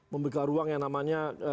membuka ruang yang namanya